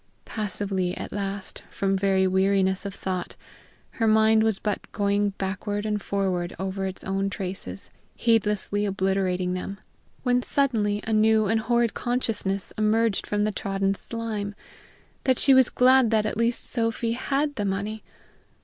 Passively at last, from very weariness of thought, her mind was but going backward and forward over its own traces, heedlessly obliterating them, when suddenly a new and horrid consciousness emerged from the trodden slime that she was glad that at least Sophy had the money!